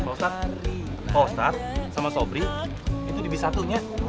pak ustaz sama sobri itu di bis satu nya